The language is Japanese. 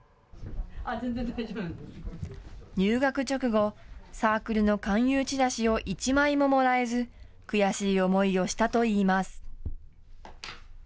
入学直後、サークルの勧誘チラシを１枚ももらえず悔しい思いをしたといいます。